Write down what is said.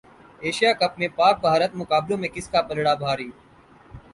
Asia cup میں پاک بھارت مقابلوں میں کس کا پلڑا بھاری